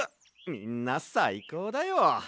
みんなさいこうだよ！